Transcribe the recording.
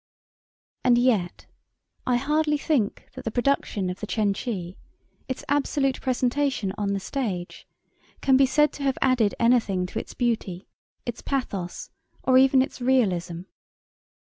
And yet I hardly think that the production of The Cenci, its absolute presentation on the stage, can be said to have added anything to its beauty, its pathos, or even its realism.